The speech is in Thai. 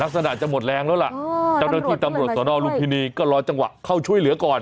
ลักษณะจะหมดแรงแล้วล่ะเจ้าหน้าที่ตำรวจสนลุมพินีก็รอจังหวะเข้าช่วยเหลือก่อน